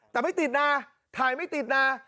แต่ไม่ติดนะถ่ายไม่ติดนะ